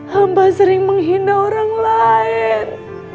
hamba sering menghina orang lain